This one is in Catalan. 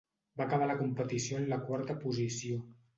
Va acabar la competició en la quarta posició.